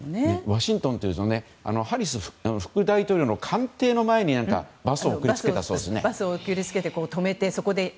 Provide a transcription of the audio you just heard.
ワシントンというとハリス副大統領の官邸の前にバスを送り付けたそうですね。